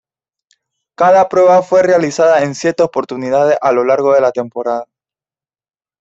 Cada prueba fue realizada en siete oportunidades a lo largo de la temporada.